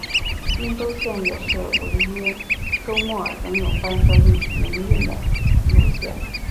宾州线也是唯一周末仍有班车营运的路线。